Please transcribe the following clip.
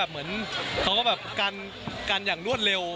เขาก็แบบกันอย่างรวดเร็ว